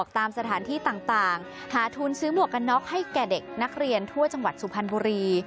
ตามสถานที่ต่างหาทุนซื้อหมวกกันน็อกให้แก่เด็กนักเรียนทั่วจังหวัดสุพรรณบุรี